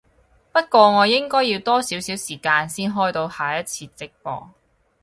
不過我應該要多少少時間先開到下一次直播